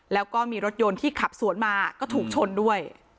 แล้วก็มีรถยนต์ที่ขับสวนมาก็ถูกชนด้วย